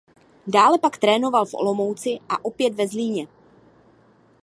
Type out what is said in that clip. Dále pak trénoval v Olomouci a opět ve Zlíně.